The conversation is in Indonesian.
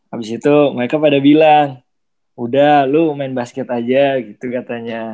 habis itu mereka pada bilang udah lu main basket aja gitu katanya